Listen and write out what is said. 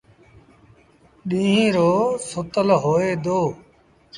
ڏيٚݩهݩ رو سُتل هوئي دو۔